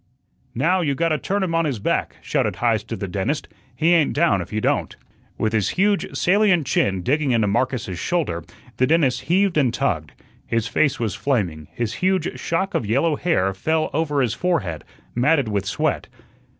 "Now, you gotta turn him on his back," shouted Heise to the dentist. "He ain't down if you don't." With his huge salient chin digging into Marcus's shoulder, the dentist heaved and tugged. His face was flaming, his huge shock of yellow hair fell over his forehead, matted with sweat.